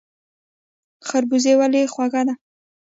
خربوزه ولې خوږه ده؟